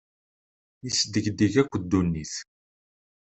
Isdegdeg akk ddunit.